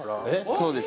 そうです。